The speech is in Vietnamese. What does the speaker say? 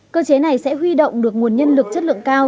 cơ chế này sẽ huy động được nguồn nhân lực chất lượng cao